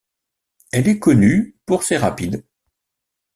Elle est connue pour ses rapides.